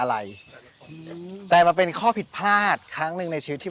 ชื่องนี้ชื่องนี้ชื่องนี้ชื่องนี้ชื่องนี้ชื่องนี้ชื่องนี้